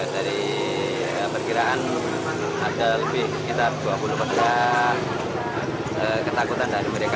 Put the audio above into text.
dari perkiraan ada lebih sekitar dua puluh persen ketakutan dari mereka